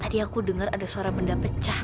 tadi aku dengar ada suara benda pecah